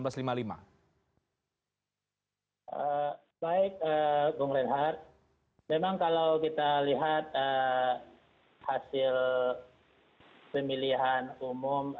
memang kalau kita lihat hasil pemilihan umum